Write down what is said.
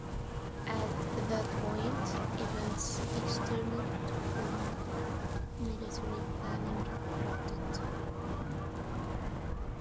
At that point, events external to formal military planning erupted.